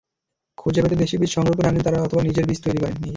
খুঁজেপেতে দেশি বীজ সংগ্রহ করে আনেন তাঁরা, অথবা নিজেরা বীজ তৈরি করেন।